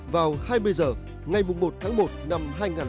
vào hai mươi h ngày một tháng một năm hai nghìn một mươi bảy